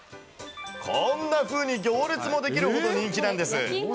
こんなふうに行列も出来るほど人気なんです。